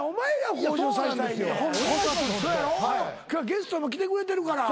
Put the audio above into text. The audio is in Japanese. ゲストも来てくれてるから。